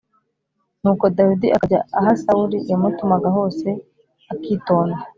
Nuko Dawidi akajya ajya aho Sawuli yamutumaga hose, akitonda.